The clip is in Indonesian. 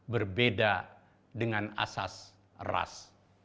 berbeda dengan asas ras